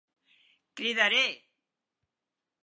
Cridaré!